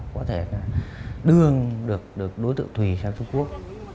có thể là đưa được đối tượng thùy sang trung quốc